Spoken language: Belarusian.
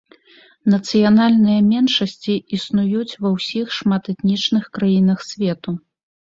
Нацыянальныя меншасці існуюць ва ўсіх шматэтнічных краінах свету.